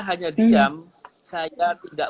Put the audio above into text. hanya diam saya tidak